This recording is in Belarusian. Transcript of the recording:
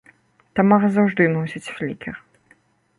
Тамара заўжды носіць флікер.